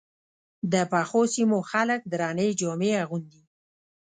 د یخو سیمو خلک درنې جامې اغوندي.